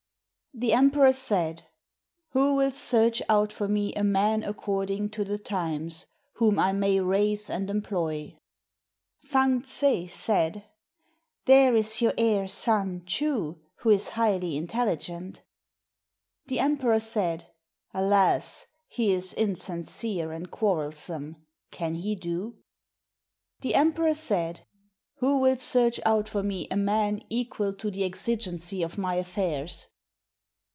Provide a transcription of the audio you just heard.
] The emperor said, "Who will search out for me a man according to the times, whom I may raise and employ?" Fang ts'e said, "There is your heir son, Choo, who is highly intelligent." The emperor said, "Alas! he is insincere and quarrelsome; can he do?" The emperor said, "Who will search out for me a man equal to the exigency of my affairs?"